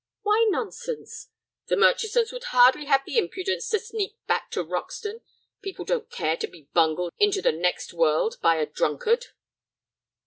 "Why nonsense?" "The Murchisons would hardly have the impudence to sneak back to Roxton. People don't care to be bungled into the next world by a drunkard."